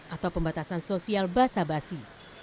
atau pembatasan sosial basa basi